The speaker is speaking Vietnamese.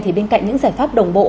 thì bên cạnh những giải pháp đồng bộ